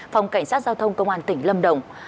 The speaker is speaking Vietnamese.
phòng cảnh sát giao thông công an tỉnh lâm đồng